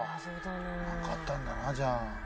なんかあったんだなじゃあ。